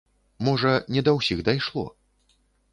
Можа, не да ўсіх дайшло.